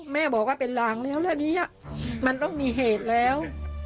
แม่บอกว่าเป็นหลังแล้วเรื่องนี้มันต้องมีเหตุแล้ว